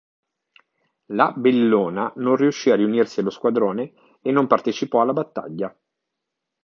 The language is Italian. La "Bellona" non riuscì a riunirsi allo squadrone, e non partecipò alla battaglia.